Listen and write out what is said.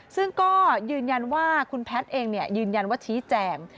ซึ่งก็ยืนยันว่าคุณแพทย์เองยืนยันว่าชี้แจง